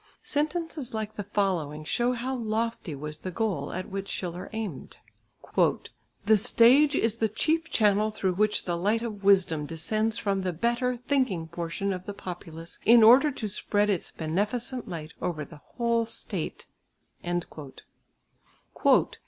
Sentences like the following show how lofty was the goal at which Schiller aimed. "The stage is the chief channel through which the light of wisdom descends from the better, thinking portion of the populace in order to spread its beneficent light over the whole state."